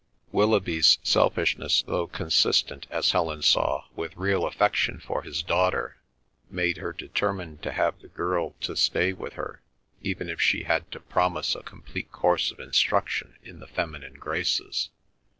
Willoughby's selfishness, though consistent as Helen saw with real affection for his daughter, made her determined to have the girl to stay with her, even if she had to promise a complete course of instruction in the feminine graces.